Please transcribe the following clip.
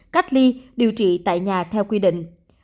cách ly điều trị tại nhà theo quy định